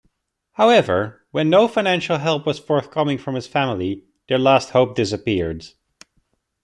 However, when no financial help was forthcoming from his family, their last hope disappeared.